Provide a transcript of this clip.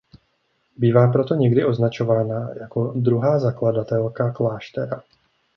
Bývá proto někdy označována jako druhá zakladatelka kláštera.